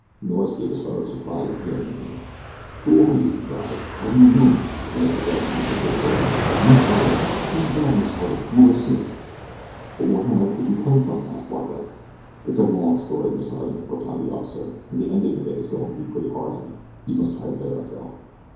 Norris gave a start of surprise at hearing his name. "Who are you?" he cried. "How do you know me?" and as the girl turned her face toward him, "Miss Harding! Thank God, Miss Harding, you are safe." "But where on earth did you come from?" asked Barbara. "It's a long story, Miss Harding," replied the officer, "and the ending of it is going to be pretty hard on you you must try to bear up though."